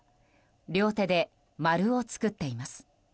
両手で丸を作っています。